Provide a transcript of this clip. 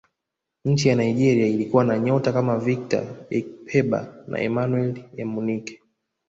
nchi ya nigeria ilikuwa na nyota kama victor ikpeba na emmanuel amunike